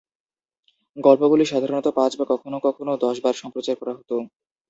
গল্পগুলি সাধারণত পাঁচ বা কখনও কখনও দশ বার সম্প্রচার করা হতো।